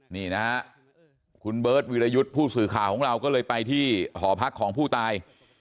นี่นะฮะคุณเบิร์ตวิรยุทธ์ผู้สื่อข่าวของเราก็เลยไปที่หอพักของผู้ตาย